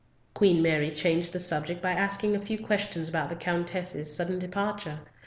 Queen Mary changed the subject by asking a few questions about the Countess's sudden departure.